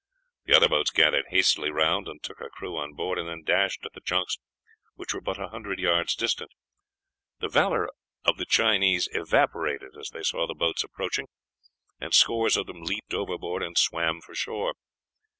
The other boats gathered hastily round and took her crew on board, and then dashed at the junks, which were but a hundred yards distant. The valor of the Chinese evaporated as they saw the boats approaching, and scores of them leaped overboard and swam for shore.